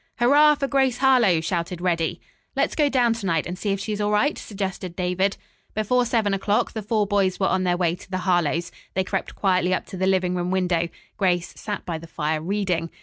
"Hurrah for Grace Harlowe!" shouted Reddy. "Let's go down to night and see if she's all right?" suggested David. Before seven o'clock the four boys were on their way to the Harlowe's. They crept quietly up to the living room window. Grace sat by the fire reading.